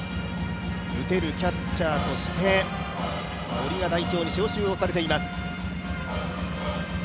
打てるキャッチャーとして、森が代表に招集されています。